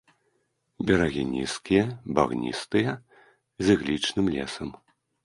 Берагі нізкія, багністыя, з іглічным лесам.